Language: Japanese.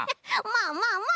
まあまあまあ。